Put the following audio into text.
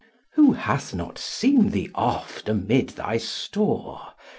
2. Who hath not seen thee oft amid thy store?